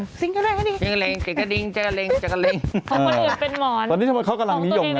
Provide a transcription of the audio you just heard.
คนอื่นเป็นหมอนตัวนี้ทำงานเค้ากำลังนิยมแบบนี้